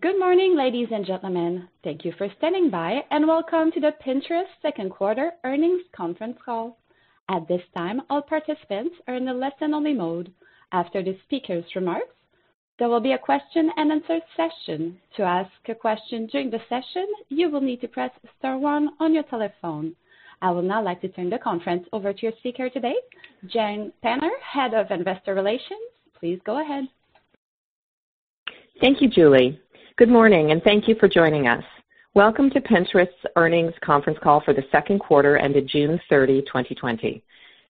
Good morning, ladies and gentlemen. Thank you for standing by, and welcome to the Pinterest second quarter earnings conference call. At this time, all participants are in the listen only mode. After the speakers' remarks, there will be a question and answer session. To ask a question during the session, you will need to press star one on your telephone. I would now like to turn the conference over to your speaker today, Jane Penner, Head of Investor Relations. Please go ahead. Thank you, Julie. Thank you for joining us. Welcome to Pinterest's earnings conference call for the second quarter ended June 30, 2020.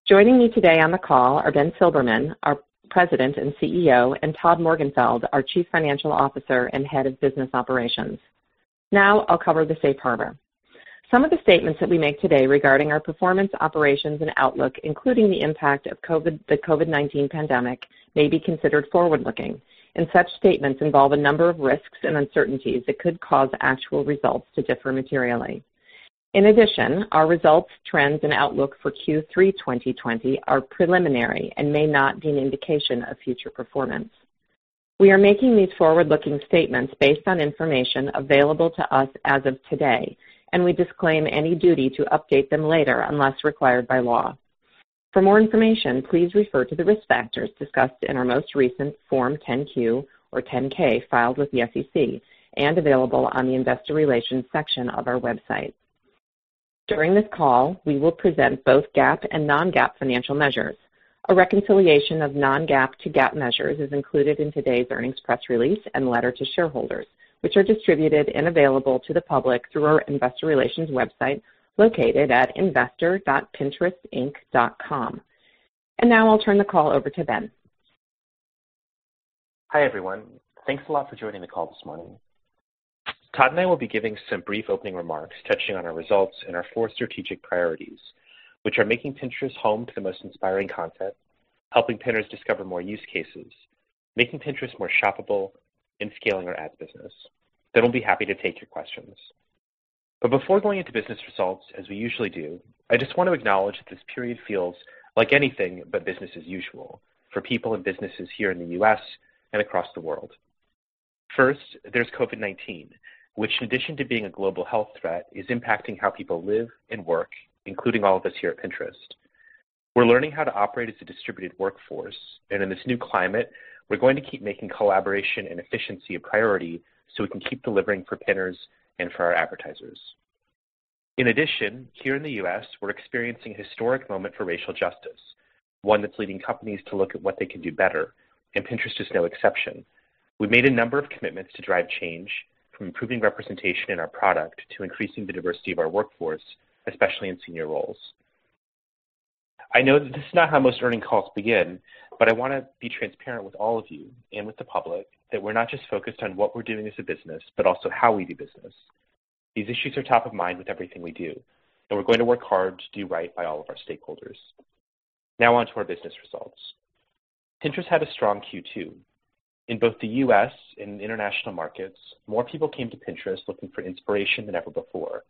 Joining me today on the call are Ben Silbermann, our President and CEO, and Todd Morgenfeld, our Chief Financial Officer and Head of Business Operations. Now, I'll cover the safe harbor. Some of the statements that we make today regarding our performance operations and outlook, including the impact of the COVID-19 pandemic, may be considered forward-looking, and such statements involve a number of risks and uncertainties that could cause actual results to differ materially. Our results, trends, and outlook for Q3 2020 are preliminary and may not be an indication of future performance. We are making these forward-looking statements based on information available to us as of today, and we disclaim any duty to update them later unless required by law. For more information, please refer to the risk factors discussed in our most recent Form 10-Q or 10-K filed with the SEC and available on the Investor Relations section of our website. During this call, we will present both GAAP and non-GAAP financial measures. A reconciliation of non-GAAP to GAAP measures is included in today's earnings press release and letter to shareholders, which are distributed and available to the public through our investor relations website located at investor.pinterest.com. Now I'll turn the call over to Ben. Hi, everyone. Thanks a lot for joining the call this morning. Todd and I will be giving some brief opening remarks touching on our results and our four strategic priorities, which are making Pinterest home to the most inspiring content, helping Pinners discover more use cases, making Pinterest more shoppable, and scaling our ads business. We'll be happy to take your questions. Before going into business results, as we usually do, I just want to acknowledge that this period feels like anything but business as usual for people and businesses here in the U.S. and across the world. First, there's COVID-19, which in addition to being a global health threat, is impacting how people live and work, including all of us here at Pinterest. We're learning how to operate as a distributed workforce, and in this new climate, we're going to keep making collaboration and efficiency a priority so we can keep delivering for Pinners and for our advertisers. In addition, here in the U.S., we're experiencing a historic moment for racial justice, one that's leading companies to look at what they can do better, and Pinterest is no exception. We've made a number of commitments to drive change, from improving representation in our product to increasing the diversity of our workforce, especially in senior roles. I know that this is not how most earning calls begin, but I want to be transparent with all of you and with the public that we're not just focused on what we're doing as a business, but also how we do business. These issues are top of mind with everything we do, and we're going to work hard to do right by all of our stakeholders. Now on to our business results. Pinterest had a strong Q2. In both the U.S. and international markets, more people came to Pinterest looking for inspiration than ever before.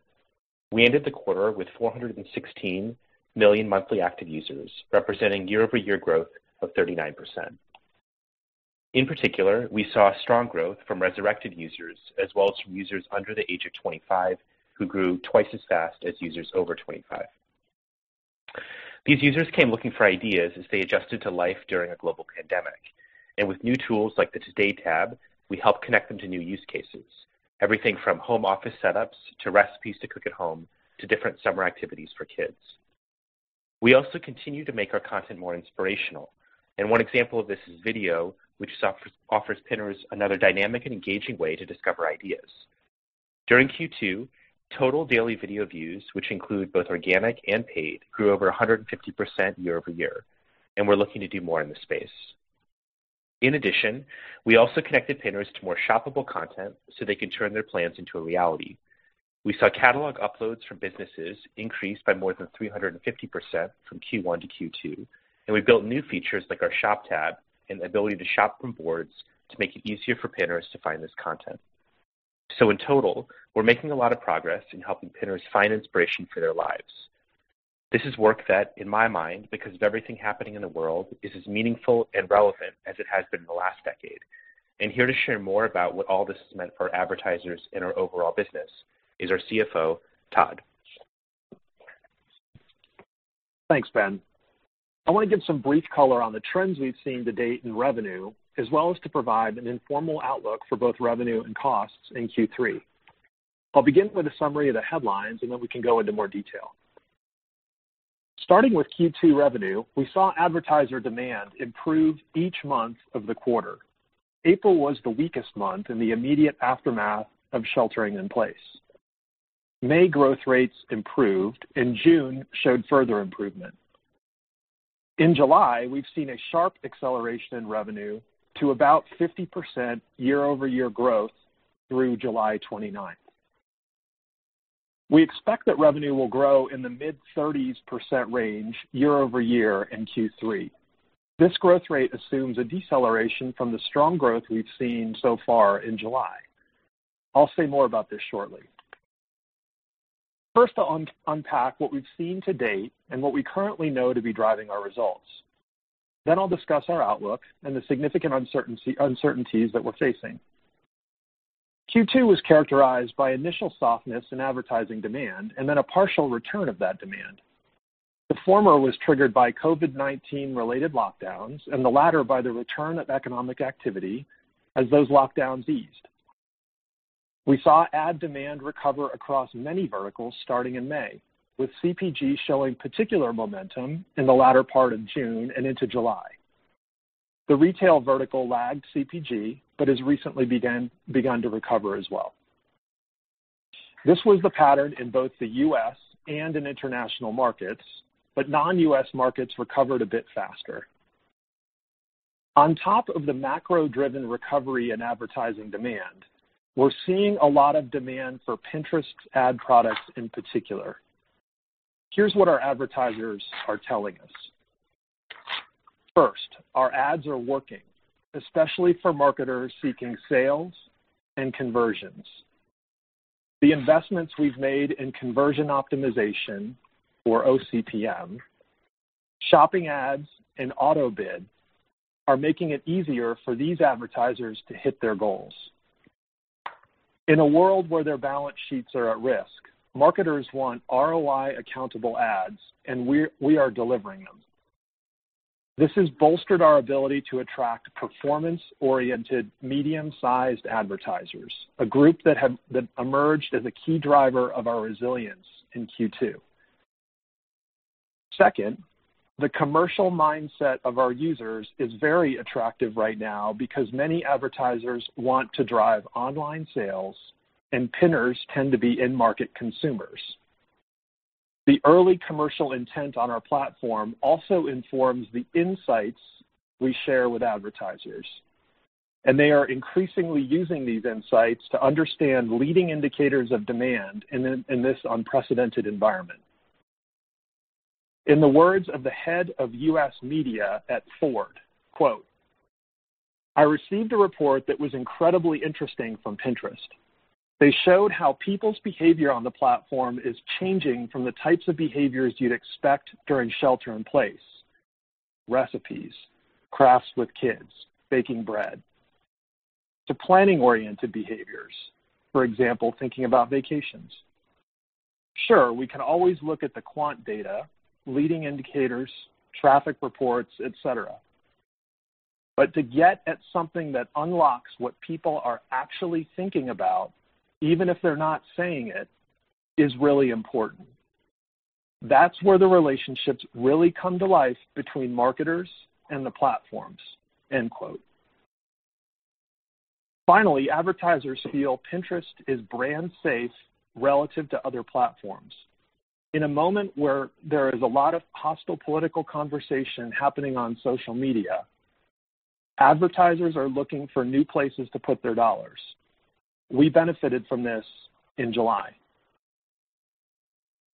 We ended the quarter with 416 million monthly active users, representing year-over-year growth of 39%. In particular, we saw strong growth from resurrected users as well as from users under the age of 25, who grew twice as fast as users over 25. These users came looking for ideas as they adjusted to life during a global pandemic, and with new tools like the Today tab, we helped connect them to new use cases, everything from home office setups to recipes to cook at home to different summer activities for kids. We also continue to make our content more inspirational. One example of this is video, which offers Pinners another dynamic and engaging way to discover ideas. During Q2, total daily video views, which include both organic and paid, grew over 150% year-over-year. We're looking to do more in this space. In addition, we also connected Pinners to more shoppable content so they can turn their plans into a reality. We saw catalog uploads from businesses increase by more than 350% from Q1 to Q2. We built new features like our Shop tab and the ability to shop from boards to make it easier for Pinners to find this content. In total, we're making a lot of progress in helping Pinners find inspiration for their lives. This is work that, in my mind, because of everything happening in the world, is as meaningful and relevant as it has been in the last decade. Here to share more about what all this has meant for advertisers and our overall business is our CFO, Todd. Thanks, Ben. I want to give some brief color on the trends we've seen to date in revenue, as well as to provide an informal outlook for both revenue and costs in Q3. I'll begin with a summary of the headlines, and then we can go into more detail. Starting with Q2 revenue, we saw advertiser demand improve each month of the quarter. April was the weakest month in the immediate aftermath of sheltering in place. May growth rates improved, and June showed further improvement. In July, we've seen a sharp acceleration in revenue to about 50% year-over-year growth through July 29th. We expect that revenue will grow in the mid-30s% range year-over-year in Q3. This growth rate assumes a deceleration from the strong growth we've seen so far in July. I'll say more about this shortly. First, to unpack what we've seen to date and what we currently know to be driving our results. I'll discuss our outlook and the significant uncertainties that we're facing. Q2 was characterized by initial softness in advertising demand and then a partial return of that demand. The former was triggered by COVID-19 related lockdowns and the latter by the return of economic activity as those lockdowns eased. We saw ad demand recover across many verticals starting in May, with CPG showing particular momentum in the latter part of June and into July. The retail vertical lagged CPG, but has recently begun to recover as well. This was the pattern in both the U.S. and in international markets, but non-U.S. markets recovered a bit faster. On top of the macro-driven recovery in advertising demand, we're seeing a lot of demand for Pinterest's ad products in particular. Here's what our advertisers are telling us. First, our ads are working, especially for marketers seeking sales and conversions. The investments we've made in conversion optimization or oCPM, shopping ads, and auto-bid are making it easier for these advertisers to hit their goals. In a world where their balance sheets are at risk, marketers want ROI accountable ads, and we are delivering them. This has bolstered our ability to attract performance-oriented, medium-sized advertisers, a group that emerged as a key driver of our resilience in Q2. Second, the commercial mindset of our users is very attractive right now because many advertisers want to drive online sales, and Pinners tend to be in-market consumers. The early commercial intent on our platform also informs the insights we share with advertisers, and they are increasingly using these insights to understand leading indicators of demand in this unprecedented environment. In the words of the head of U.S. media at Ford, quote, "I received a report that was incredibly interesting from Pinterest. They showed how people's behavior on the platform is changing from the types of behaviors you'd expect during shelter in place, recipes, crafts with kids, baking bread, to planning-oriented behaviors, for example, thinking about vacations. Sure, we can always look at the quant data, leading indicators, traffic reports, et cetera, but to get at something that unlocks what people are actually thinking about, even if they're not saying it, is really important. That's where the relationships really come to life between marketers and the platforms." End quote. Finally, advertisers feel Pinterest is brand safe relative to other platforms. In a moment where there is a lot of hostile political conversation happening on social media, advertisers are looking for new places to put their dollars. We benefited from this in July.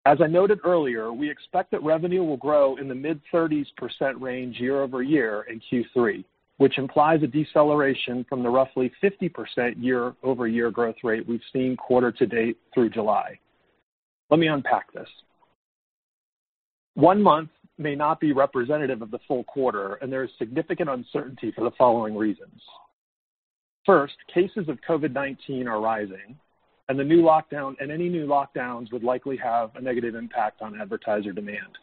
As I noted earlier, we expect that revenue will grow in the mid-30s% range year-over-year in Q3, which implies a deceleration from the roughly 50% year-over-year growth rate we've seen quarter to date through July. Let me unpack this. One month may not be representative of the full quarter, and there is significant uncertainty for the following reasons. First, cases of COVID-19 are rising, and any new lockdowns would likely have a negative impact on advertiser demand.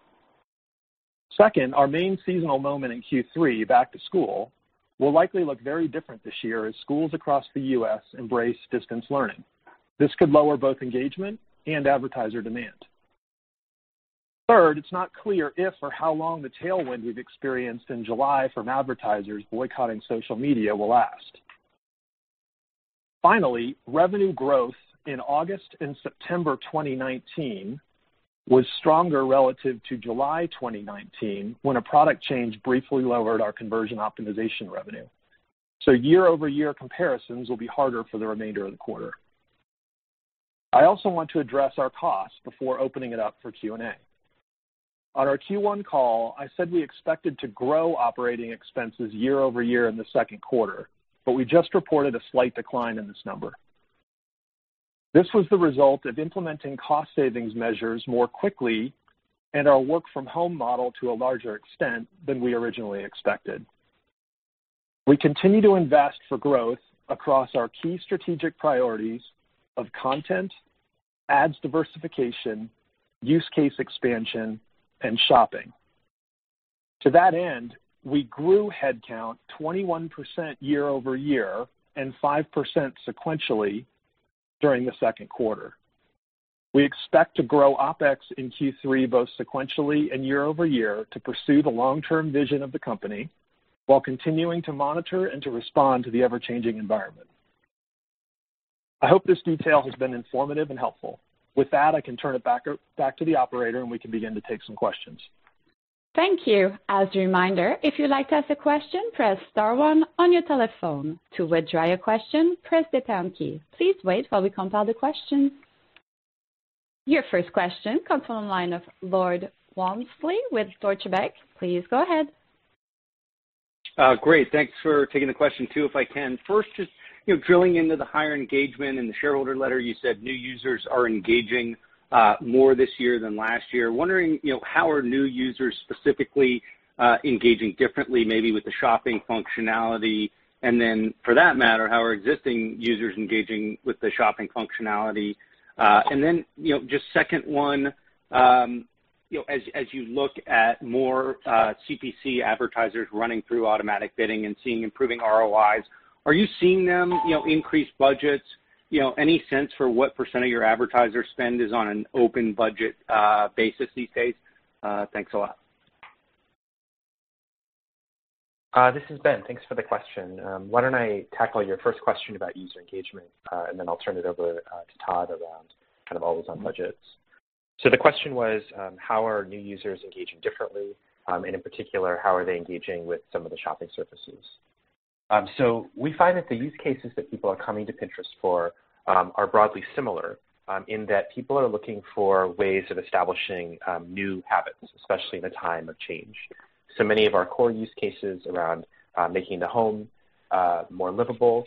Second, our main seasonal moment in Q3, back to school, will likely look very different this year as schools across the U.S. embrace distance learning. This could lower both engagement and advertiser demand. Third, it's not clear if or how long the tailwind we've experienced in July from advertisers boycotting social media will last. Revenue growth in August and September 2019 was stronger relative to July 2019, when a product change briefly lowered our conversion optimization revenue. Year-over-year comparisons will be harder for the remainder of the quarter. I also want to address our costs before opening it up for Q&A. On our Q1 call, I said we expected to grow operating expenses year-over-year in the second quarter, but we just reported a slight decline in this number. This was the result of implementing cost savings measures more quickly and our work from home model to a larger extent than we originally expected. We continue to invest for growth across our key strategic priorities of content, ads diversification, use case expansion, and shopping. To that end, we grew headcount 21% year-over-year and 5% sequentially during the second quarter. We expect to grow OpEx in Q3, both sequentially and year-over-year, to pursue the long-term vision of the company while continuing to monitor and to respond to the ever-changing environment. I hope this detail has been informative and helpful. With that, I can turn it back to the operator, and we can begin to take some questions. Thank you. As a reminder, if you'd like to ask a question, press star one on your telephone. To withdraw your question, press the pound key. Please wait while we compile the questions. Your first question comes from the line of Lloyd Walmsley with Deutsche Bank. Please go ahead. Great. Thanks for taking the question too. If I can first, just drilling into the higher engagement. In the shareholder letter, you said new users are engaging more this year than last year. Wondering, how are new users specifically engaging differently, maybe with the shopping functionality? For that matter, how are existing users engaging with the shopping functionality? Just second one, as you look at more CPC advertisers running through automatic bidding and seeing improving ROIs, are you seeing them increase budgets? Any sense for what % of your advertiser spend is on an open budget basis these days? Thanks a lot. This is Ben. Thanks for the question. Why don't I tackle your first question about user engagement, and then I'll turn it over to Todd around kind of all those on budgets. The question was, how are new users engaging differently? In particular, how are they engaging with some of the shopping services? We find that the use cases that people are coming to Pinterest for are broadly similar, in that people are looking for ways of establishing new habits, especially in a time of change. Many of our core use cases around making the home more livable,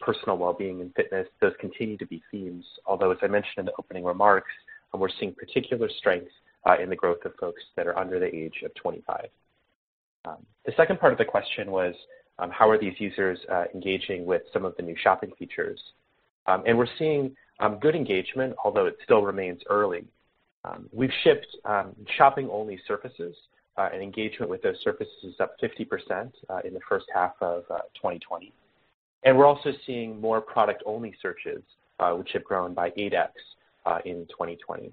personal wellbeing, and fitness, those continue to be themes. Although, as I mentioned in the opening remarks, we're seeing particular strength in the growth of folks that are under the age of 25. The second part of the question was, how are these users engaging with some of the new shopping features? We're seeing good engagement, although it still remains early. We've shipped shopping-only services, and engagement with those services is up 50% in the first half of 2020. We're also seeing more product-only searches, which have grown by 8X in 2020.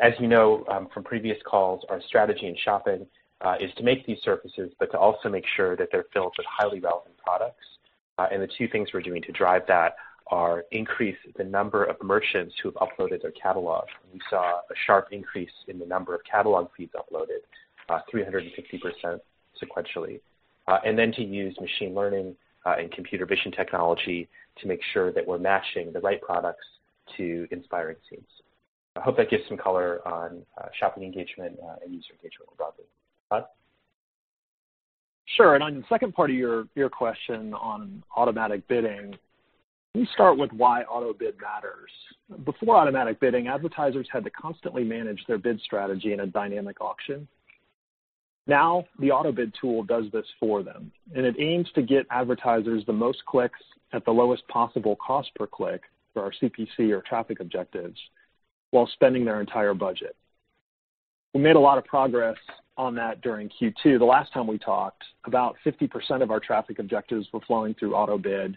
As you know from previous calls, our strategy in shopping is to make these services, but to also make sure that they're filled with highly relevant products. The two things we're doing to drive that are increase the number of merchants who have uploaded their catalog. We saw a sharp increase in the number of catalog feeds uploaded, 350% sequentially. To use machine learning and computer vision technology to make sure that we're matching the right products to inspiring themes. I hope that gives some color on shopping engagement and user engagement more broadly. Todd? Sure. On the second part of your question on automatic bidding, let me start with why auto bid matters. Before automatic bidding, advertisers had to constantly manage their bid strategy in a dynamic auction. The auto bid tool does this for them, and it aims to get advertisers the most clicks at the lowest possible cost per click for our CPC or traffic objectives while spending their entire budget. We made a lot of progress on that during Q2. The last time we talked, about 50% of our traffic objectives were flowing through auto bid,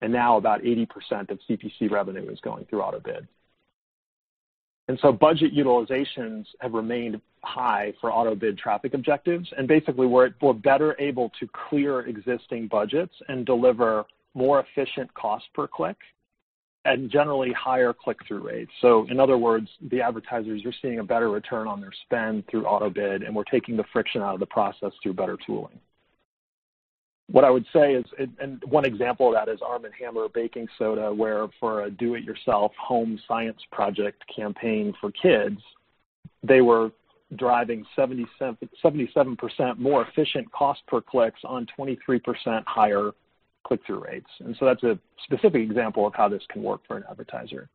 and now about 80% of CPC revenue is going through auto bid. Budget utilizations have remained high for auto bid traffic objectives, and basically, we're better able to clear existing budgets and deliver more efficient cost per click and generally higher click-through rates. In other words, the advertisers are seeing a better return on their spend through auto bid, and we're taking the friction out of the process through better tooling. What I would say is, and one example of that is ARM & HAMMER Baking Soda where for a do-it-yourself home science project campaign for kids, they were driving 77% more efficient cost per clicks on 23% higher click-through rates. That's a specific example of how this can work for an advertiser.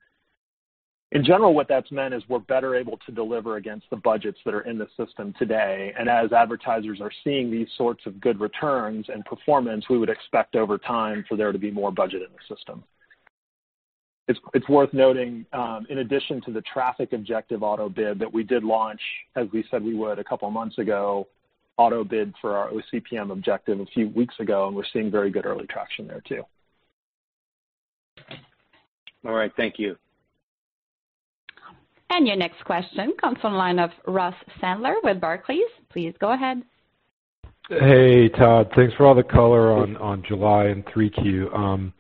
In general, what that's meant is we're better able to deliver against the budgets that are in the system today. As advertisers are seeing these sorts of good returns and performance, we would expect over time for there to be more budget in the system. It's worth noting, in addition to the traffic objective auto bid that we did launch, as we said we would a couple of months ago, auto bid for our oCPM objective a few weeks ago, we're seeing very good early traction there, too. All right. Thank you. Your next question comes from the line of Ross Sandler with Barclays. Please go ahead. Hey, Todd. Thanks for all the color on July and 3Q.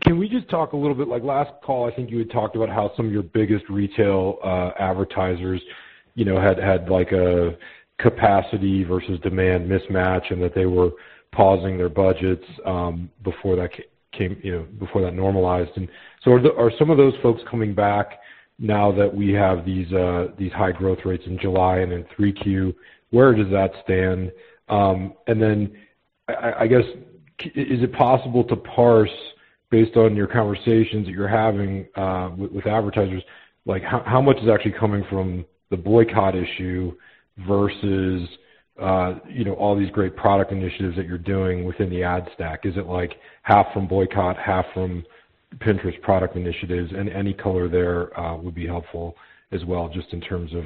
Can we just talk a little bit, like last call, I think you had talked about how some of your biggest retail advertisers had a capacity versus demand mismatch and that they were pausing their budgets before that normalized. Are some of those folks coming back now that we have these high growth rates in July and in 3Q? Where does that stand? Then, I guess, is it possible to parse, based on your conversations that you're having with advertisers, how much is actually coming from the boycott issue versus all these great product initiatives that you're doing within the ad stack? Is it half from boycott, half from Pinterest product initiatives? Any color there would be helpful as well, just in terms of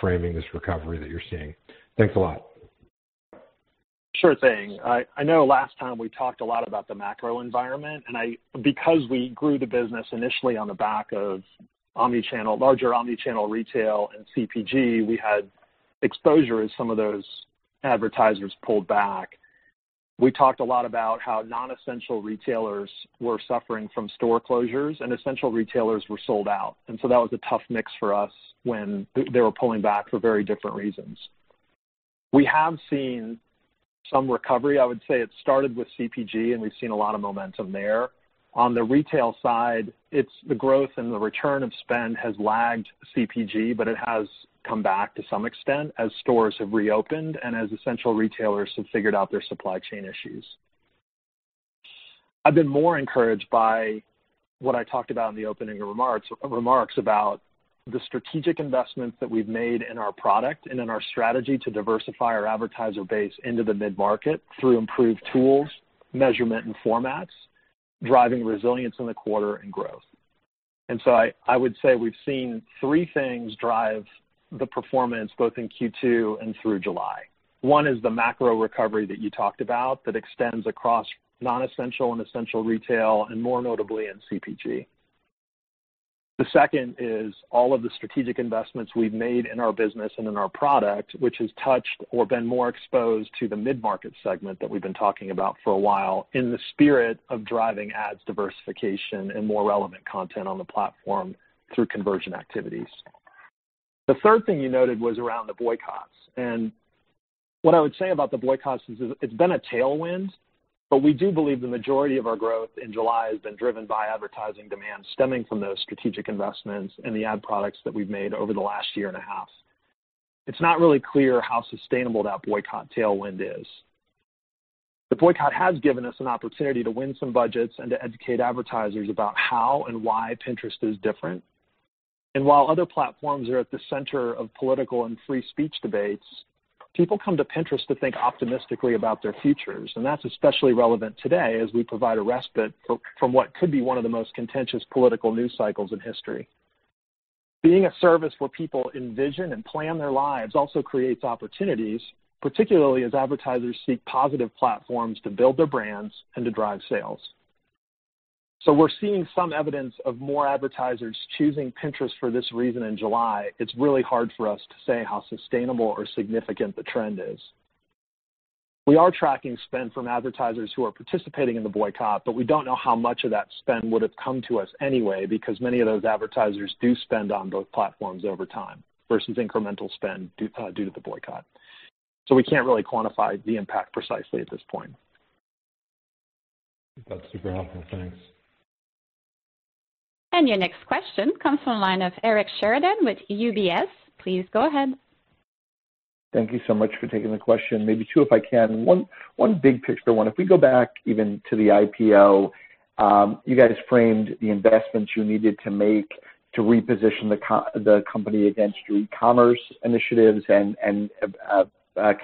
framing this recovery that you're seeing. Thanks a lot. Sure thing. I know last time we talked a lot about the macro environment, because we grew the business initially on the back of larger omni-channel retail and CPG, we had exposure as some of those advertisers pulled back. We talked a lot about how non-essential retailers were suffering from store closures and essential retailers were sold out. That was a tough mix for us when they were pulling back for very different reasons. We have seen some recovery. I would say it started with CPG, We've seen a lot of momentum there. On the retail side, the growth and the return of spend has lagged CPG, but it has come back to some extent as stores have reopened and as essential retailers have figured out their supply chain issues. I've been more encouraged by what I talked about in the opening remarks about the strategic investments that we've made in our product and in our strategy to diversify our advertiser base into the mid-market through improved tools, measurement, and formats, driving resilience in the quarter and growth. I would say we've seen three things drive the performance, both in Q2 and through July. One is the macro recovery that you talked about that extends across non-essential and essential retail, and more notably in CPG. The second is all of the strategic investments we've made in our business and in our product, which has touched or been more exposed to the mid-market segment that we've been talking about for a while in the spirit of driving ads diversification and more relevant content on the platform through conversion activities. The third thing you noted was around the boycotts, and what I would say about the boycotts is it's been a tailwind, but we do believe the majority of our growth in July has been driven by advertising demand stemming from those strategic investments in the ad products that we've made over the last year and a half. It's not really clear how sustainable that boycott tailwind is. The boycott has given us an opportunity to win some budgets and to educate advertisers about how and why Pinterest is different. While other platforms are at the center of political and free speech debates, people come to Pinterest to think optimistically about their futures, and that's especially relevant today as we provide a respite from what could be one of the most contentious political news cycles in history. Being a service where people envision and plan their lives also creates opportunities, particularly as advertisers seek positive platforms to build their brands and to drive sales. We're seeing some evidence of more advertisers choosing Pinterest for this reason in July. It's really hard for us to say how sustainable or significant the trend is. We are tracking spend from advertisers who are participating in the boycott, but we don't know how much of that spend would have come to us anyway because many of those advertisers do spend on both platforms over time, versus incremental spend due to the boycott. We can't really quantify the impact precisely at this point. That's super helpful. Thanks. Your next question comes from the line of Eric Sheridan with UBS. Please go ahead. Thank you so much for taking the question. Maybe two, if I can. One big picture one. If we go back even to the IPO, you guys framed the investments you needed to make to reposition the company against your e-commerce initiatives and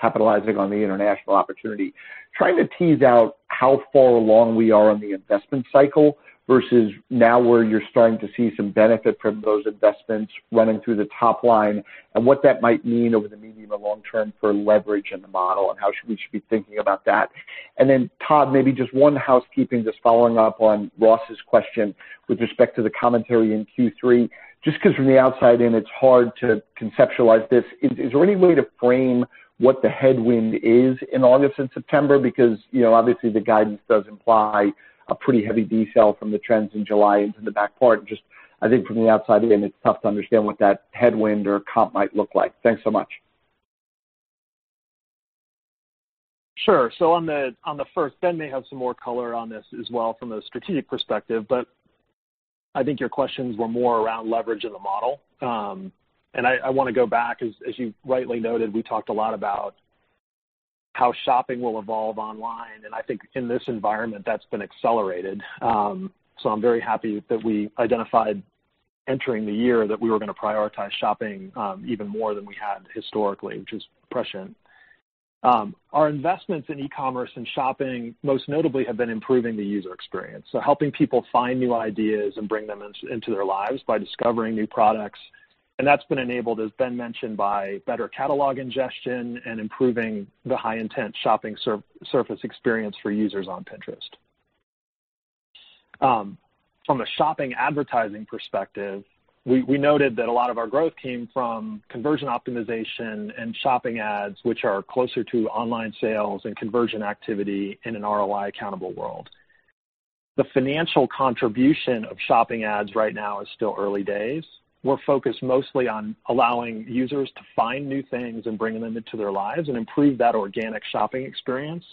capitalizing on the international opportunity. Trying to tease out how far along we are on the investment cycle versus now where you're starting to see some benefit from those investments running through the top line and what that might mean over the medium or long term for leverage in the model and how we should be thinking about that. Then Todd, maybe just one housekeeping, just following up on Ross's question with respect to the commentary in Q3. Just because from the outside in, it's hard to conceptualize this. Is there any way to frame what the headwind is in August and September? Because, you know, obviously the guidance does imply a pretty heavy decline from the trends in July into the back part. I think from the outside in, it's tough to understand what that headwind or comp might look like. Thanks so much. Sure. On the first, Ben may have some more color on this as well from a strategic perspective, but I think your questions were more around leverage in the model. I want to go back, as you rightly noted, we talked a lot about how shopping will evolve online, and I think in this environment, that's been accelerated. I'm very happy that we identified entering the year that we were going to prioritize shopping, even more than we had historically, which is prescient. Our investments in e-commerce and shopping most notably have been improving the user experience, so helping people find new ideas and bring them into their lives by discovering new products. That's been enabled, as Ben mentioned, by better catalog ingestion and improving the high intent shopping surface experience for users on Pinterest. From a shopping advertising perspective, we noted that a lot of our growth came from conversion optimization and shopping ads, which are closer to online sales and conversion activity in an ROI accountable world. The financial contribution of shopping ads right now is still early days. We're focused mostly on allowing users to find new things and bring them into their lives and improve that organic shopping experience,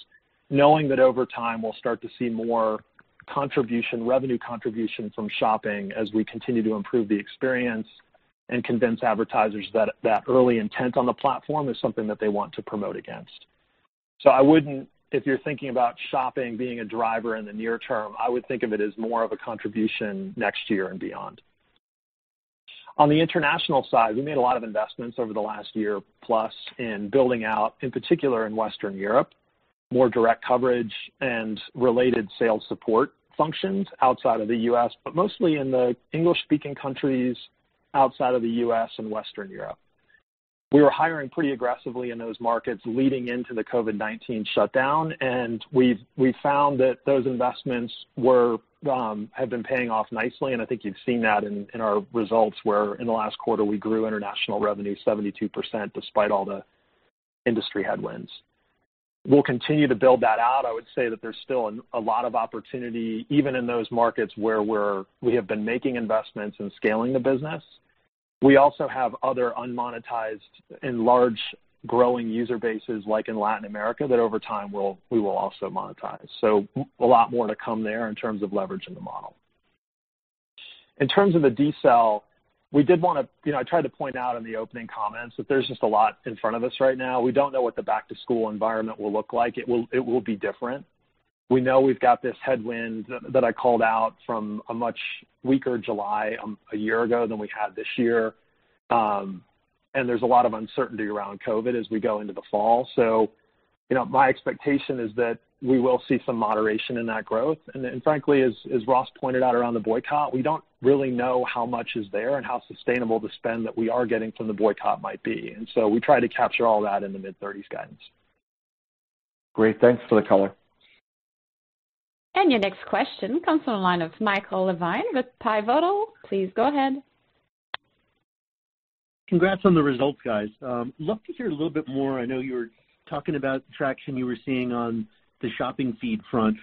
knowing that over time, we'll start to see more revenue contribution from shopping as we continue to improve the experience and convince advertisers that that early intent on the platform is something that they want to promote against. If you're thinking about shopping being a driver in the near term, I would think of it as more of a contribution next year and beyond. On the international side, we made a lot of investments over the last year plus in building out, in particular in Western Europe, more direct coverage and related sales support functions outside of the U.S., but mostly in the English-speaking countries outside of the U.S. and Western Europe. We were hiring pretty aggressively in those markets leading into the COVID-19 shutdown, and we've found that those investments have been paying off nicely, and I think you've seen that in our results where in the last quarter, we grew international revenue 72% despite all the industry headwinds. We'll continue to build that out. I would say that there's still a lot of opportunity, even in those markets where we have been making investments and scaling the business. We also have other unmonetized and large growing user bases like in Latin America, that over time we will also monetize. A lot more to come there in terms of leverage in the model. In terms of the decel, I tried to point out in the opening comments that there's just a lot in front of us right now. We don't know what the back-to-school environment will look like. It will be different. We know we've got this headwind that I called out from a much weaker July a year ago than we have this year. There's a lot of uncertainty around COVID as we go into the fall. My expectation is that we will see some moderation in that growth. Frankly, as Ross pointed out around the boycott, we don't really know how much is there and how sustainable the spend that we are getting from the boycott might be. We try to capture all that in the mid-30s guidance. Great. Thanks for the color. Your next question comes from the line of Michael Levine with Pivotal. Please go ahead. Congrats on the results, guys. Love to hear a little bit more, I know you were talking about the traction you were seeing on the shopping feed front.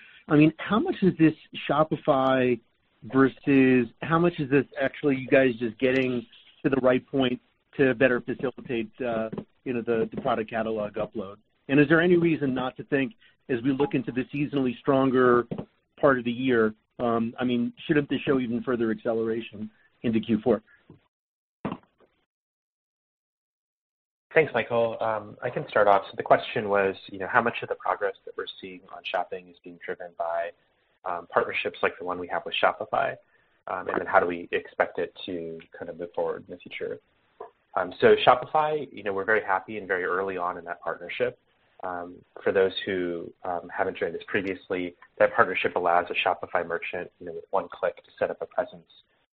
How much is this Shopify versus how much is this actually you guys just getting to the right point to better facilitate the product catalog upload? Is there any reason not to think as we look into the seasonally stronger part of the year, shouldn't this show even further acceleration into Q4? Thanks, Michael. I can start off. The question was, how much of the progress that we're seeing on shopping is being driven by partnerships like the one we have with Shopify? Then how do we expect it to kind of move forward in the future? Shopify, we're very happy and very early on in that partnership. For those who haven't joined us previously, that partnership allows a Shopify merchant with one click to set up a presence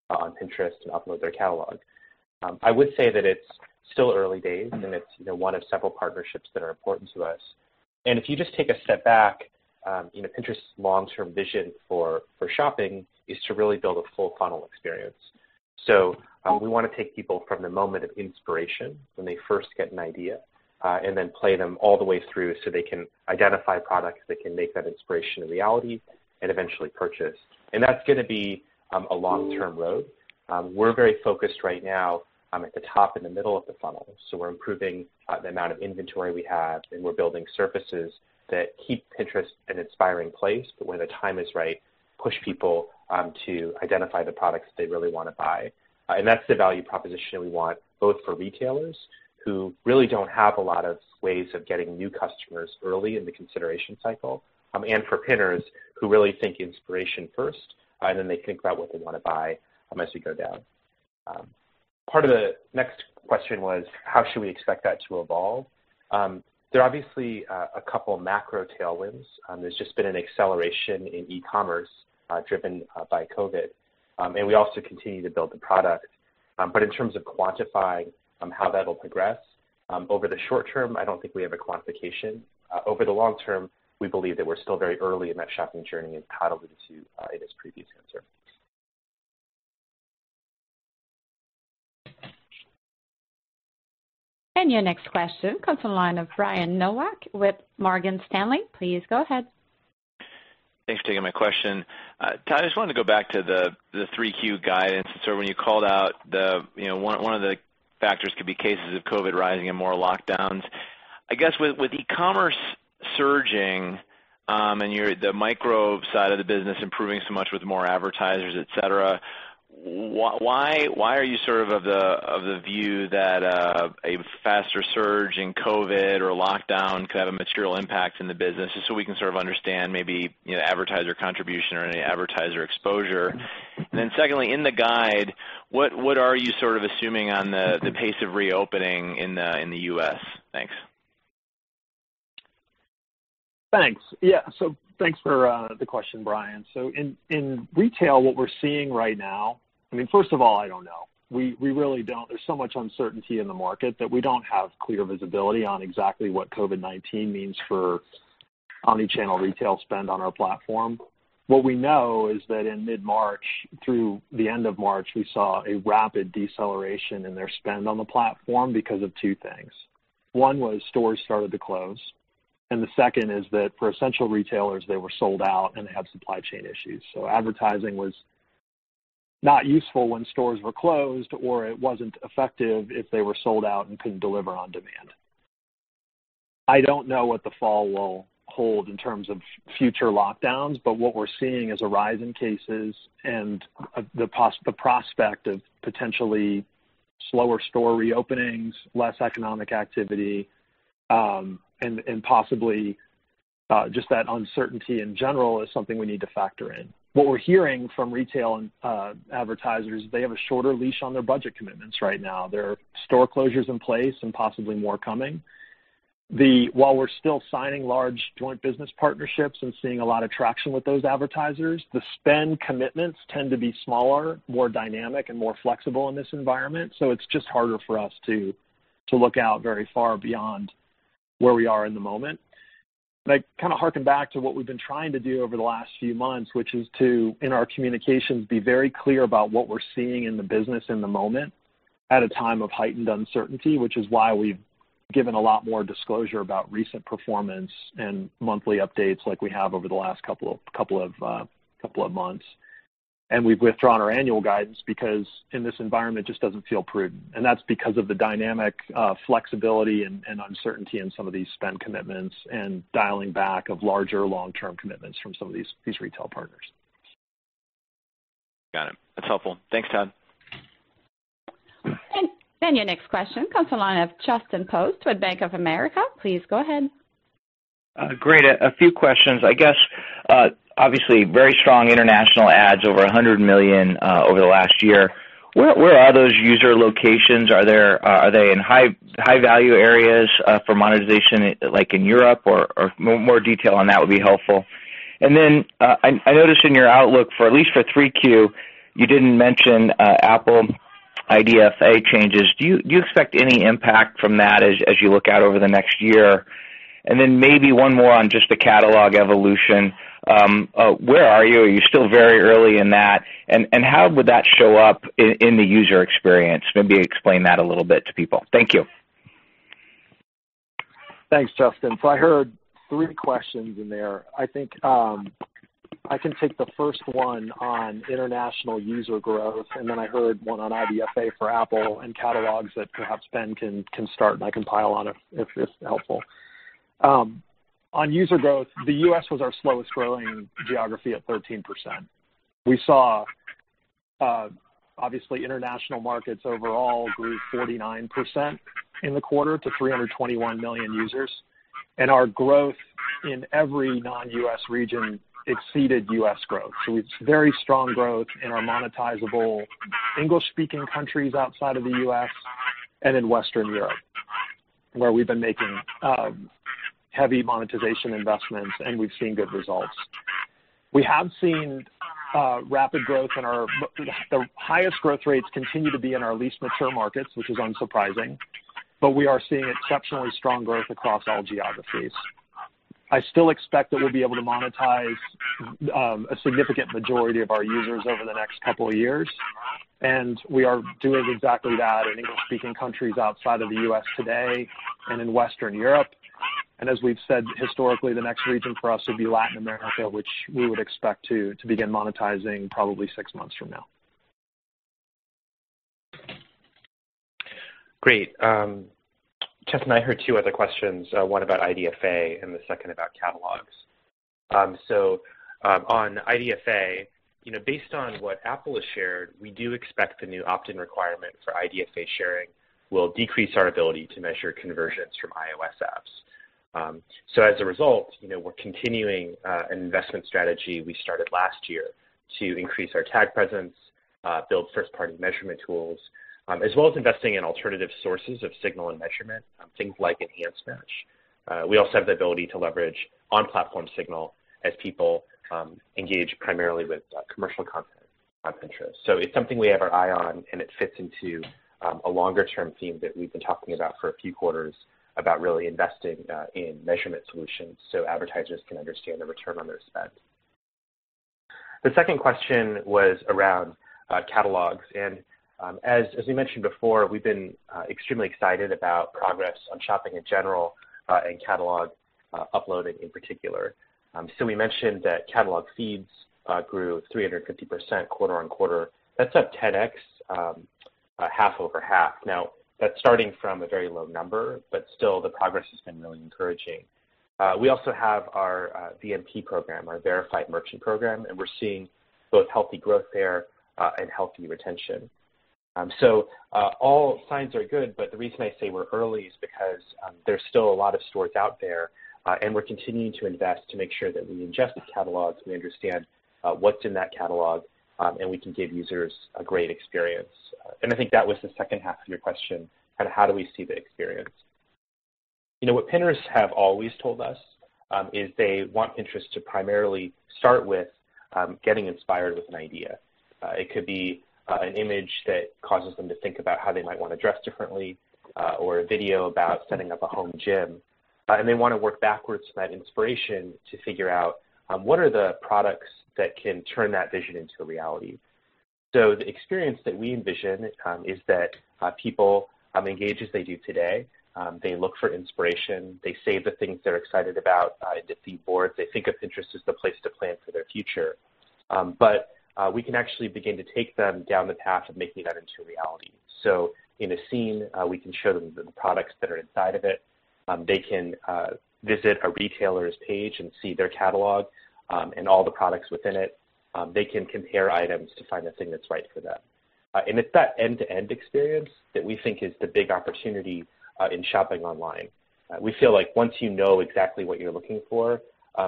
on Pinterest and upload their catalog. I would say that it's still early days, and it's one of several partnerships that are important to us. If you just take a step back, Pinterest's long-term vision for shopping is to really build a full funnel experience. We want to take people from the moment of inspiration when they first get an idea, and then play them all the way through so they can identify products that can make that inspiration a reality and eventually purchase. That's going to be a long-term road. We're very focused right now at the top and the middle of the funnel. We're improving the amount of inventory we have, and we're building surfaces that keep Pinterest an inspiring place, but when the time is right, push people to identify the products they really want to buy. That's the value proposition we want both for retailers who really don't have a lot of ways of getting new customers early in the consideration cycle and for pinners who really think inspiration first, and then they think about what they want to buy as you go down. Part of the next question was, how should we expect that to evolve? There are obviously a couple macro tailwinds. There's just been an acceleration in e-commerce driven by COVID-19. We also continue to build the product. In terms of quantifying how that'll progress, over the short term, I don't think we have a quantification. Over the long term, we believe that we're still very early in that shopping journey and tied a little to Todd's previous answer. Your next question comes from the line of Brian Nowak with Morgan Stanley. Please go ahead. Thanks for taking my question. Todd, I just wanted to go back to the 3Q guidance. When you called out one of the factors could be cases of COVID rising and more lockdowns. I guess with e-commerce surging and the micro side of the business improving so much with more advertisers, et cetera, why are you of the view that a faster surge in COVID or lockdown could have a material impact in the business? We can sort of understand maybe advertiser contribution or any advertiser exposure. Secondly, in the guide, what are you sort of assuming on the pace of reopening in the U.S.? Thanks. Thanks. Yeah. Thanks for the question, Brian. In retail, what we're seeing right now, first of all, I don't know. We really don't. There's so much uncertainty in the market that we don't have clear visibility on exactly what COVID-19 means for omni-channel retail spend on our platform. What we know is that in mid-March through the end of March, we saw a rapid deceleration in their spend on the platform because of two things. One was stores started to close, and the second is that for essential retailers, they were sold out and had supply chain issues. Advertising was not useful when stores were closed or it wasn't effective if they were sold out and couldn't deliver on demand. I don't know what the fall will hold in terms of future lockdowns, but what we're seeing is a rise in cases and the prospect of potentially slower store reopenings, less economic activity, and possibly just that uncertainty in general is something we need to factor in. What we're hearing from retail advertisers, they have a shorter leash on their budget commitments right now. There are store closures in place and possibly more coming. While we're still signing large joint business partnerships and seeing a lot of traction with those advertisers, the spend commitments tend to be smaller, more dynamic, and more flexible in this environment. It's just harder for us to look out very far beyond where we are in the moment. I kind of harken back to what we've been trying to do over the last few months, which is to, in our communications, be very clear about what we're seeing in the business in the moment at a time of heightened uncertainty, which is why we've given a lot more disclosure about recent performance and monthly updates like we have over the last couple of months. We've withdrawn our annual guidance because in this environment, it just doesn't feel prudent. That's because of the dynamic flexibility and uncertainty in some of these spend commitments and dialing back of larger long-term commitments from some of these retail partners. Got it. That's helpful. Thanks, Todd. Your next question comes from the line of Justin Post with Bank of America. Please go ahead. Great. A few questions. I guess, obviously very strong international ads, over $100 million over the last year. Where are those user locations? Are they in high-value areas for monetization, like in Europe? More detail on that would be helpful. I noticed in your outlook for at least for 3Q, you didn't mention Apple IDFA changes. Do you expect any impact from that as you look out over the next year? Maybe one more on just the catalog evolution. Where are you? Are you still very early in that? How would that show up in the user experience? Maybe explain that a little bit to people. Thank you. Thanks, Justin. I heard three questions in there. I think I can take the first one on international user growth, and then I heard one on IDFA for Apple and catalogs that perhaps Ben can start and I can pile on if it's helpful. On user growth, the U.S. was our slowest growing geography at 13%. We saw, obviously, international markets overall grew 49% in the quarter to 321 million users. Our growth in every non-U.S. region exceeded U.S. growth. It's very strong growth in our monetizable English-speaking countries outside of the U.S. and in Western Europe, where we've been making heavy monetization investments and we've seen good results. The highest growth rates continue to be in our least mature markets, which is unsurprising. We are seeing exceptionally strong growth across all geographies. I still expect that we'll be able to monetize a significant majority of our users over the next couple of years. We are doing exactly that in English-speaking countries outside of the U.S. today and in Western Europe. As we've said historically, the next region for us would be Latin America, which we would expect to begin monetizing probably six months from now. Great. Justin, I heard two other questions, one about IDFA and the second about catalogs. On IDFA, based on what Apple has shared, we do expect the new opt-in requirement for IDFA sharing will decrease our ability to measure conversions from iOS apps. As a result, we're continuing an investment strategy we started last year to increase our tag presence, build first-party measurement tools, as well as investing in alternative sources of signal and measurement, things like Enhanced Match. We also have the ability to leverage on-platform signal as people engage primarily with commercial content on Pinterest. It's something we have our eye on, and it fits into a longer-term theme that we've been talking about for a few quarters about really investing in measurement solutions so advertisers can understand the return on their spend. The second question was around catalogs. As we mentioned before, we've been extremely excited about progress on shopping in general and catalog uploading in particular. We mentioned that catalog feeds grew 350% quarter-over-quarter. That's up 10x half-over-half. That's starting from a very low number, but still the progress has been really encouraging. We also have our VMP program, our Verified Merchant Program, and we're seeing both healthy growth there and healthy retention. All signs are good, but the reason I say we're early is because there's still a lot of stores out there, and we're continuing to invest to make sure that we ingest the catalogs, we understand what's in that catalog, and we can give users a great experience. I think that was the second half of your question on how do we see the experience. What Pinners have always told us is they want Pinterest to primarily start with getting inspired with an idea. It could be an image that causes them to think about how they might want to dress differently or a video about setting up a home gym. They want to work backwards from that inspiration to figure out what are the products that can turn that vision into a reality. The experience that we envision is that people engage as they do today. They look for inspiration. They save the things they're excited about into Boards. They think of Pinterest as the place to plan for their future. We can actually begin to take them down the path of making that into a reality. In a scene, we can show them the products that are inside of it. They can visit a retailer's page and see their catalog and all the products within it. They can compare items to find the thing that's right for them. It's that end-to-end experience that we think is the big opportunity in shopping online. We feel like once you know exactly what you're looking for,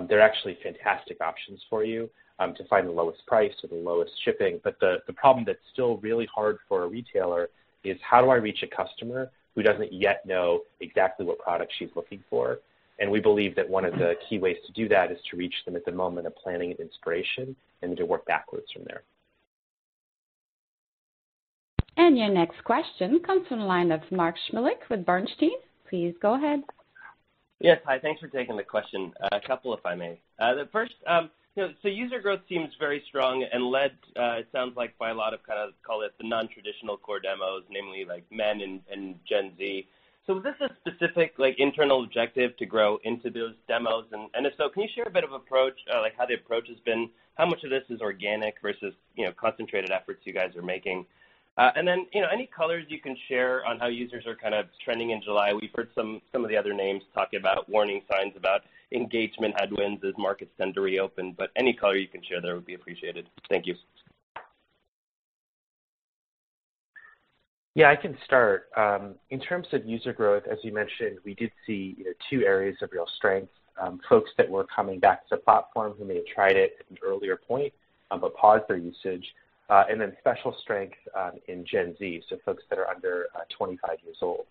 there are actually fantastic options for you to find the lowest price or the lowest shipping. The problem that's still really hard for a retailer is how do I reach a customer who doesn't yet know exactly what product she's looking for? We believe that one of the key ways to do that is to reach them at the moment of planning and inspiration and to work backwards from there. Your next question comes from the line of Mark Shmulik with Bernstein. Please go ahead. Yes, hi. Thanks for taking the question. A couple, if I may. The first, user growth seems very strong and led, it sounds like, by a lot of call it the non-traditional core demos, namely like men and Gen Z. Was this a specific internal objective to grow into those demos? If so, can you share a bit of approach, like how the approach has been, how much of this is organic versus concentrated efforts you guys are making? Any colors you can share on how users are kind of trending in July. We've heard some of the other names talking about warning signs about engagement headwinds as markets tend to reopen, any color you can share there would be appreciated. Thank you. Yeah, I can start. In terms of user growth, as you mentioned, we did see two areas of real strength. Folks that were coming back to the platform who may have tried it at an earlier point but paused their usage, and then special strength in Gen Z, so folks that are under 25 years old.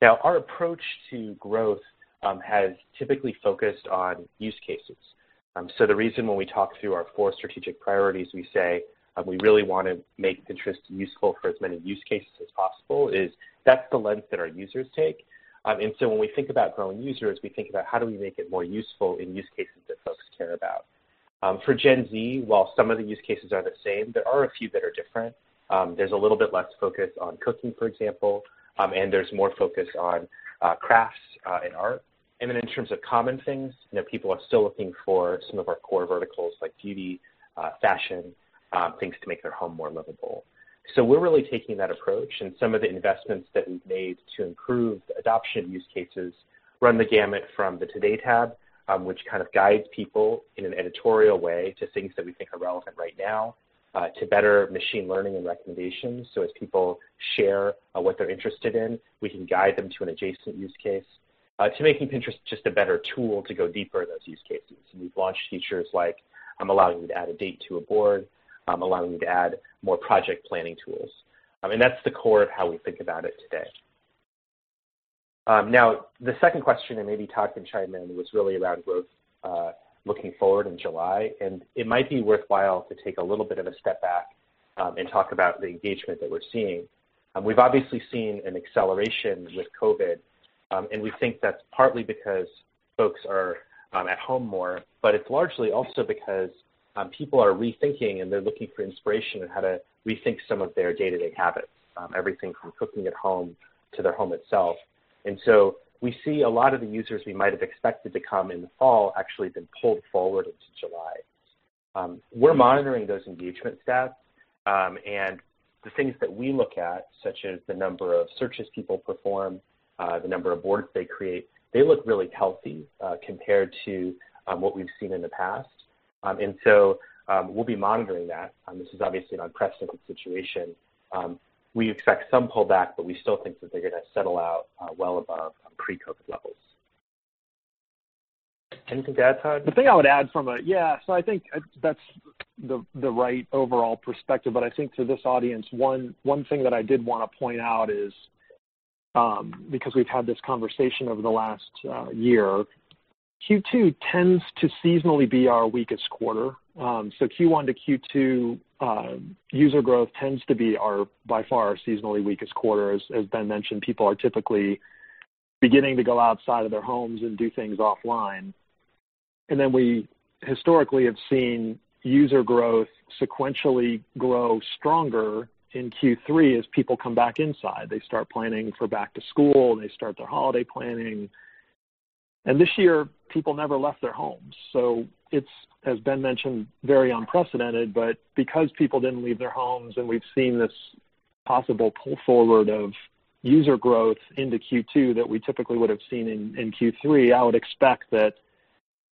Our approach to growth has typically focused on use cases. The reason when we talk through our four strategic priorities, we say we really want to make Pinterest useful for as many use cases as possible is that's the lens that our users take. When we think about growing users, we think about how do we make it more useful in use cases that folks care about. For Gen Z, while some of the use cases are the same, there are a few that are different. There's a little bit less focus on cooking, for example, and there's more focus on crafts and art. In terms of common things, people are still looking for some of our core verticals like beauty, fashion, things to make their home more livable. We're really taking that approach, and some of the investments that we've made to improve the adoption use cases run the gamut from the Today tab, which kind of guides people in an editorial way to things that we think are relevant right now, to better machine learning and recommendations. As people share what they're interested in, we can guide them to an adjacent use case to making Pinterest just a better tool to go deeper in those use cases. We've launched features like allowing you to add a date to a board, allowing you to add more project planning tools. That's the core of how we think about it today. Now the second question, and maybe Todd can chime in was really around growth looking forward in July, and it might be worthwhile to take a little bit of a step back and talk about the engagement that we're seeing. We've obviously seen an acceleration with COVID-19, and we think that's partly because folks are at home more. It's largely also because people are rethinking and they're looking for inspiration on how to rethink some of their day-to-day habits. Everything from cooking at home to their home itself. We see a lot of the users we might have expected to come in the fall actually been pulled forward into July. We're monitoring those engagement stats, and the things that we look at, such as the number of searches people perform, the number of boards they create, they look really healthy compared to what we've seen in the past. So, we'll be monitoring that. This is obviously an unprecedented situation. We expect some pullback, but we still think that they're going to settle out well above pre-COVID-19 levels. Anything to add, Todd? The thing I would add. Yeah. I think that's the right overall perspective. I think to this audience, one thing that I did want to point out is, because we've had this conversation over the last year, Q2 tends to seasonally be our weakest quarter. Q1 to Q2, user growth tends to be our by far our seasonally weakest quarter. As Ben mentioned, people are typically beginning to go outside of their homes and do things offline. We historically have seen user growth sequentially grow stronger in Q3 as people come back inside. They start planning for back to school, and they start their holiday planning. This year, people never left their homes. It's, as Ben mentioned, very unprecedented. Because people did not leave their homes and we have seen this possible pull forward of user growth into Q2 that we typically would have seen in Q3, I would expect that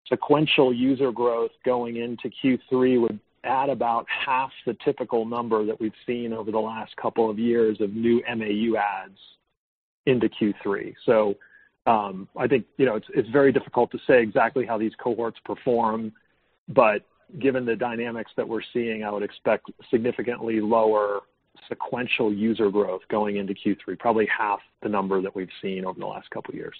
sequential user growth going into Q3 would add about half the typical number that we have seen over the last couple of years of new MAU adds into Q3. I think it is very difficult to say exactly how these cohorts perform, but given the dynamics that we are seeing, I would expect significantly lower sequential user growth going into Q3, probably half the number that we have seen over the last couple of years.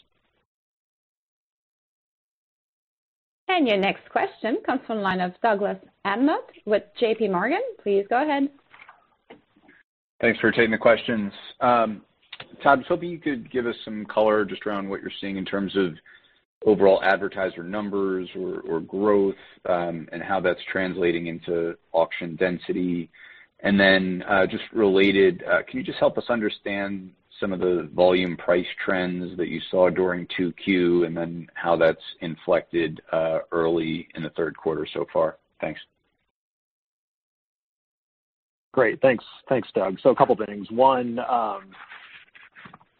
Your next question comes from the line of Douglas Anmuth with JPMorgan. Please go ahead. Thanks for taking the questions. Todd, I was hoping you could give us some color just around what you're seeing in terms of overall advertiser numbers or growth, and how that's translating into auction density. And then, just related, can you just help us understand some of the volume price trends that you saw during 2Q and then how that's inflected early in the third quarter so far? Thanks. Great. Thanks, Doug. A couple things. One,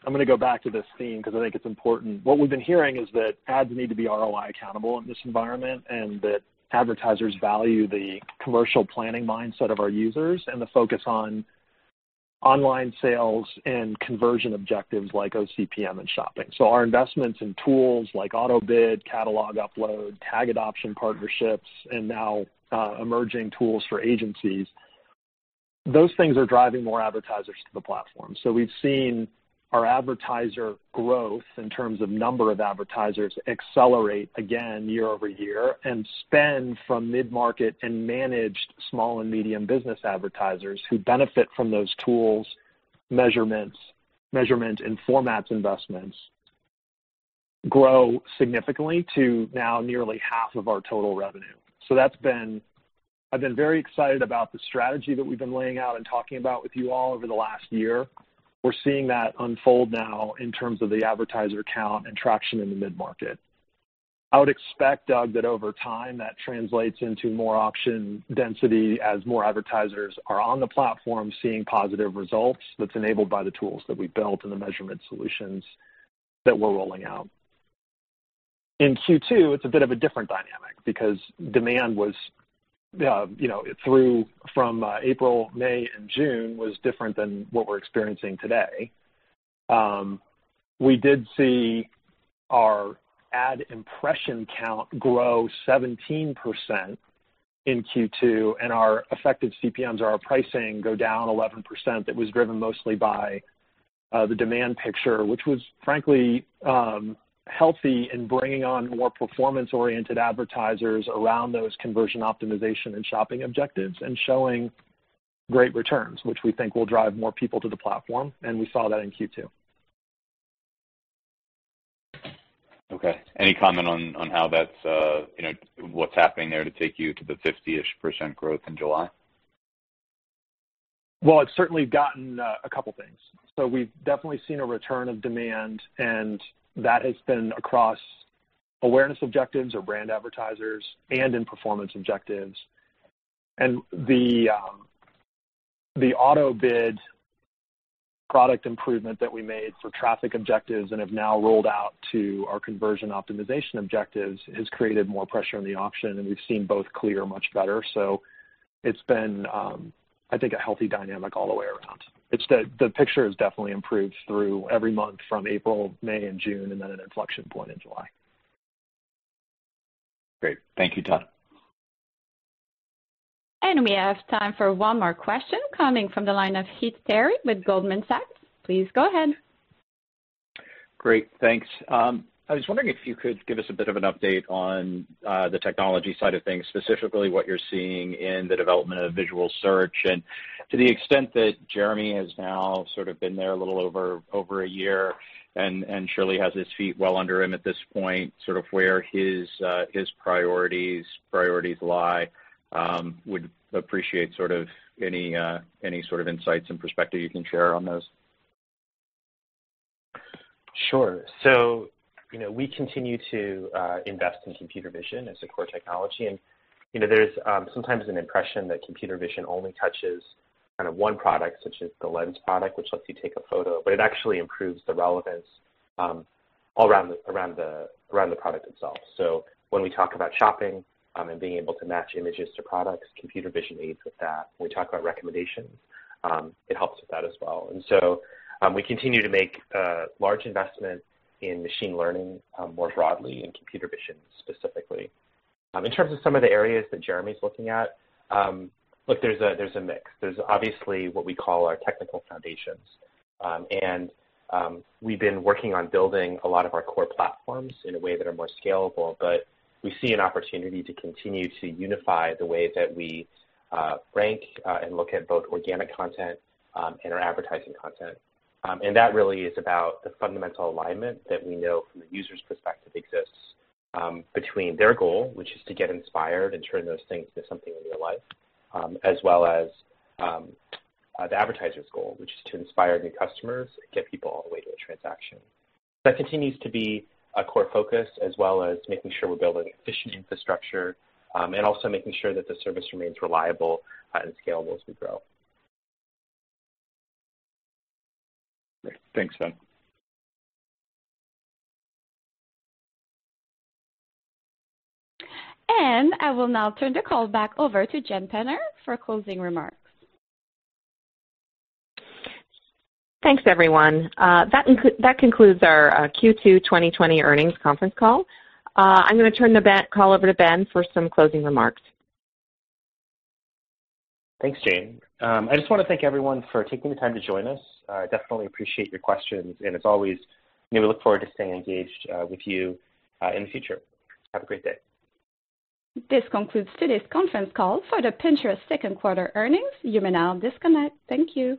I'm going to go back to this theme because I think it's important. What we've been hearing is that ads need to be ROI accountable in this environment, and that advertisers value the commercial planning mindset of our users and the focus on online sales and conversion objectives like oCPM and shopping. Our investments in tools like auto-bid, catalog upload, tag adoption partnerships, and now emerging tools for agencies, those things are driving more advertisers to the platform. We've seen our advertiser growth in terms of number of advertisers accelerate again year-over-year and spend from mid-market and managed small and medium business advertisers who benefit from those tools, measurements, and formats investments grow significantly to now nearly half of our total revenue. I've been very excited about the strategy that we've been laying out and talking about with you all over the last year. We're seeing that unfold now in terms of the advertiser count and traction in the mid-market. I would expect, Doug, that over time, that translates into more auction density as more advertisers are on the platform seeing positive results that's enabled by the tools that we built and the measurement solutions that we're rolling out. In Q2, it's a bit of a different dynamic because demand from April, May, and June was different than what we're experiencing today. We did see our ad impression count grow 17% in Q2, and our effective CPMs, or our pricing, go down 11%. That was driven mostly by the demand picture, which was, frankly, healthy in bringing on more performance-oriented advertisers around those conversion optimization and shopping objectives, and showing great returns, which we think will drive more people to the platform. We saw that in Q2. Okay. Any comment on what's happening there to take you to the 50-ish % growth in July? It's certainly gotten a couple things. We've definitely seen a return of demand, and that has been across awareness objectives or brand advertisers and in performance objectives. The auto bid product improvement that we made for traffic objectives and have now rolled out to our conversion optimization objectives has created more pressure on the auction, and we've seen both clear much better. It's been, I think, a healthy dynamic all the way around. The picture has definitely improved through every month from April, May, and June, and then an inflection point in July. Great. Thank you, Todd. We have time for one more question, coming from the line of Heath Terry with Goldman Sachs. Please go ahead. Great. Thanks. I was wondering if you could give us a bit of an update on the technology side of things, specifically what you're seeing in the development of visual search. To the extent that Jeremy has now sort of been there a little over a year and surely has his feet well under him at this point, sort of where his priorities lie. Would appreciate any sort of insights and perspective you can share on those. Sure. We continue to invest in computer vision as a core technology. There's sometimes an impression that computer vision only touches one product, such as the lens product, which lets you take a photo, but it actually improves the relevance all around the product itself. When we talk about shopping and being able to match images to products, computer vision aids with that. When we talk about recommendations, it helps with that as well. We continue to make large investments in machine learning more broadly, in computer vision specifically. In terms of some of the areas that Jeremy's looking at, look, there's a mix. There's obviously what we call our technical foundations. We've been working on building a lot of our core platforms in a way that are more scalable, but we see an opportunity to continue to unify the way that we rank and look at both organic content and our advertising content. That really is about the fundamental alignment that we know from the user's perspective exists between their goal, which is to get inspired and turn those things into something in real life, as well as the advertiser's goal, which is to inspire new customers and get people all the way to a transaction. That continues to be a core focus, as well as making sure we build an efficient infrastructure, and also making sure that the service remains reliable and scalable as we grow. Great. Thanks, Ben. I will now turn the call back over to Jane Penner for closing remarks. Thanks, everyone. That concludes our Q2 2020 earnings conference call. I'm gonna turn the call over to Ben for some closing remarks. Thanks, Jane. I just want to thank everyone for taking the time to join us. Definitely appreciate your questions, and as always, we look forward to staying engaged with you in the future. Have a great day. This concludes today's conference call for the Pinterest second quarter earnings. You may now disconnect. Thank you.